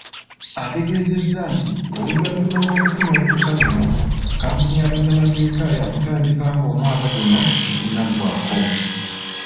Ategeezezza nti oluvanyuma lw'okufuna olukusa luno, kampuni ya bannamateeka ya kutandika ng'omwaka guno tegunnaggwako.